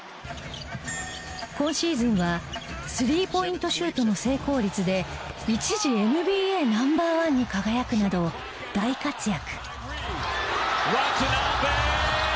今シーズンはスリーポイントシュートの成功率で一時ＮＢＡＮｏ．１に輝くなど大活躍。